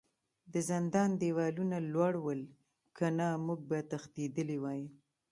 د زندان دیوالونه لوړ ول کنه موږ به تښتیدلي وای